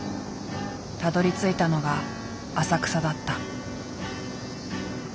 たどりついたのが浅草だった。